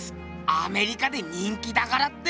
アメリカで人気だからって！